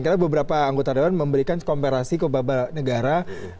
karena beberapa anggota daerah memberikan komparasi ke beberapa negara